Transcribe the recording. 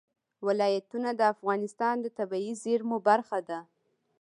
ولایتونه د افغانستان د طبیعي زیرمو برخه ده.